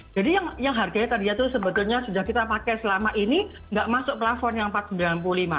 jadi yang harganya tadi itu sebetulnya sudah kita pakai selama ini tidak masuk platform yang rp empat sembilan puluh lima